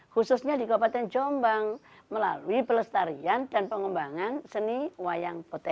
khususnya di kabupaten jombang melalui pelestarian dan pengembangan seni wayang poten